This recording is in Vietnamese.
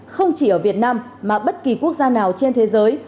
không chỉ ở việt nam mà bất kỳ quốc gia nào trên thế giới